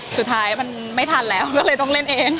สุดท้ายมันไม่ทันแล้วก็เลยต้องเล่นเอง